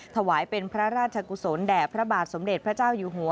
ถวายเป็นพระราชกุศลแด่พระบาทสมเด็จพระเจ้าอยู่หัว